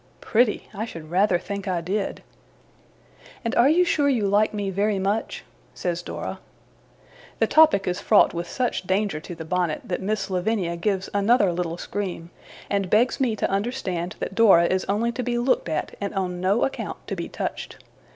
Pretty! I should rather think I did. 'And are you sure you like me very much?' says Dora. The topic is fraught with such danger to the bonnet, that Miss Lavinia gives another little scream, and begs me to understand that Dora is only to be looked at, and on no account to be touched.